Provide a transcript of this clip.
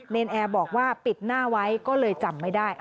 นแอร์บอกว่าปิดหน้าไว้ก็เลยจำไม่ได้